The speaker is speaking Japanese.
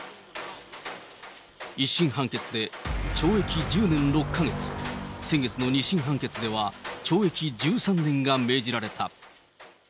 １審判決で懲役１０年６か月、先月の２審判決では懲役１３年が命じられた。